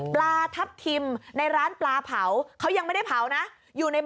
ปลาทับทิมในร้านปลาเผาเขายังไม่ได้เผานะอยู่ใน